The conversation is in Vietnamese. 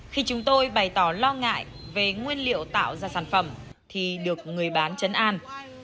khi chúng tôi bày tỏ lo ngại về nguyên liệu tạo ra sản phẩm thì được người bán chấn an